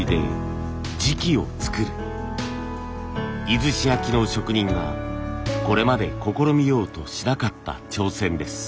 出石焼の職人がこれまで試みようとしなかった挑戦です。